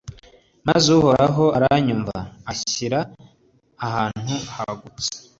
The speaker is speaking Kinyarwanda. maze uhoraho aranyumva, anshyira ahantu hagutse